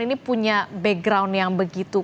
ini punya background yang begitu